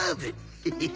ヘヘヘ。